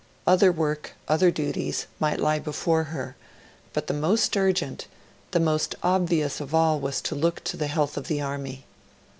Other work, other duties, might lie before her; but the most urgent, the most obvious of all, was to look to the health of the Army.